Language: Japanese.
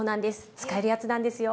使えるやつなんですよ！